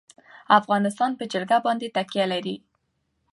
افغانستان په جلګه باندې تکیه لري.